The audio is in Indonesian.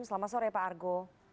selamat sore pak argo